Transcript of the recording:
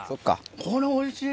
これおいしい！